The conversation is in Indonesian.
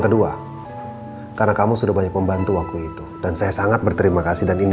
hai hai hai karena kamu sudah banyak membantu waktu itu dan saya sangat berterima kasih dan